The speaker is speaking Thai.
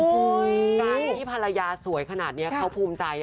การที่ภรรยาสวยขนาดนี้เขาภูมิใจ